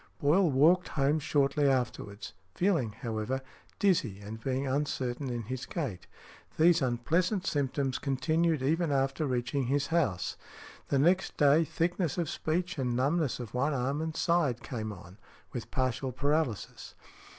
Boyle walked home shortly afterwards, feeling, however, dizzy, and being uncertain in his gait; these unpleasant symptoms continued even after reaching his house. The next day, thickness of speech and numbness of one arm and side came on, with partial paralysis.